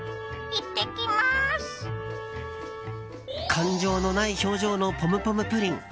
感情のない表情のポムポムプリン。